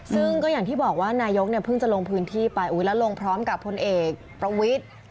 ซึ่งก็อย่างที่บอกว่านายกเนี่ยเพิ่งจะลงพื้นที่ไปแล้วลงพร้อมกับพลเอกประวิทธิ์